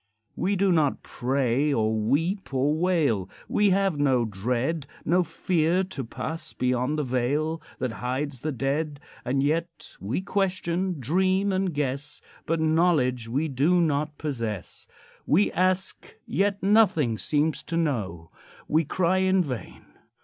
We do not pray, or weep, or wail; We have no dread, No fear to pass beyond the veil That hides the dead. And yet we question, dream, and guess, But knowledge we do not possess. We ask, yet nothing seems to know; We cry in vain.